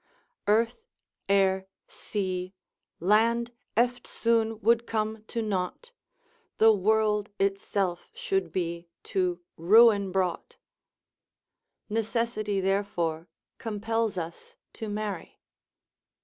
Earth, air, sea, land eftsoon would come to nought, The world itself should be to ruin brought. Necessity therefore compels us to marry.